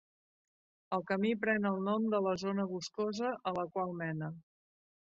El camí pren el nom de la zona boscosa a la qual mena.